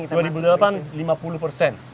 tahun dua ribu delapan kita masih berhasil